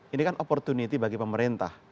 ini kan opportunity bagi pemerintah